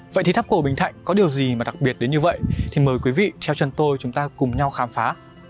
vậy thì tháp cổ bình thạnh có điều gì mà đặc biệt đến như vậy thì mời quý vị theo chân tôi chúng ta cùng nhau khám phá